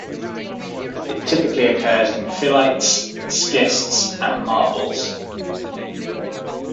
It typically occurs in phyllites, schists and marbles.